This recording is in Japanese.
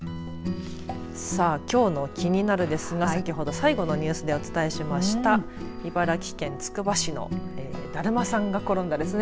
さあきょうのキニナル！ですが先ほど最後のニュースでお伝えしました茨城県つくば市のだるまさんが転んだですね。